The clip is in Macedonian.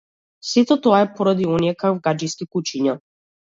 Сето тоа е поради оние кавгаџиски кучиња.